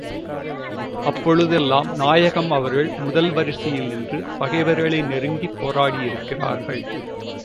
அப்பொழுதெல்லாம் நாயகம் அவர்கள் முதல் வரிசையில் நின்று, பகைவர்களை நெருங்கிப் போராடியிருக்கிறார்கள்.